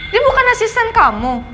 dia bukan asisten kamu